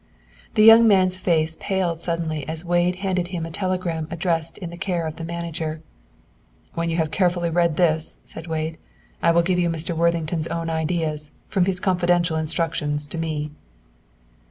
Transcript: The young man's face paled suddenly as Wade handed him a telegram addressed in the care of the manager. "When you have carefully read this," said Wade, "I will give you Mr. Worthington's own ideas, from his confidential instructions to me."